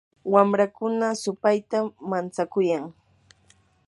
wamrakuna supaytam mantsakuyan.